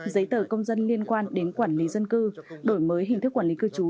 giấy tờ công dân liên quan đến quản lý dân cư đổi mới hình thức quản lý cư trú